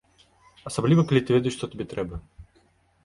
Асабліва, калі ты ведаеш, што табе трэба.